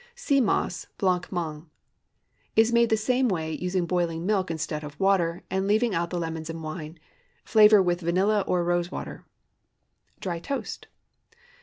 SEA MOSS BLANC MANGE Is made in the same way, using boiling milk instead of water, and leaving out the lemons and wine. Flavor with vanilla or rose water. DRY TOAST.